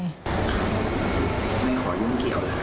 ไม่ขอยุ่งเกี่ยว